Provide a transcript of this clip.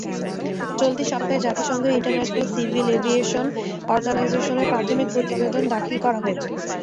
চলতি সপ্তাহে জাতিসংঘের ইন্টারন্যাশনাল সিভিল এভিয়েশন অর্গানাইজেশনে প্রাথমিক প্রতিবেদন দাখিল করা হয়েছে।